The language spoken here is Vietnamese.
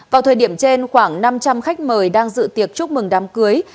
vào thời điểm trên khoảng năm trăm linh khách mời đang dự tiệc chúc mừng đám cưới